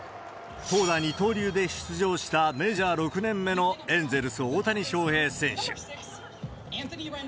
投打二刀流で出場した、メジャー６年目のエンゼルス、大谷翔平選手。